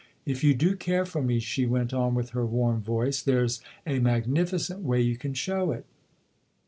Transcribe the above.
" If you do care for me," she went on with her warm voice, " there's a magnificent way you can show it.